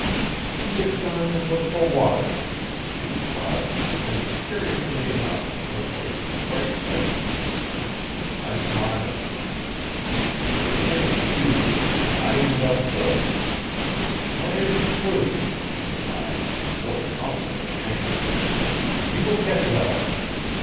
"He is gone to look for water," she replied; and, curiously enough, her voice was quite steady. I smiled. "It is useless. I am done for!" "That isn't true," she denied, in a voice almost of anger. "You will get well.